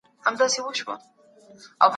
ماشوم به خپله وړتیا وپېژني.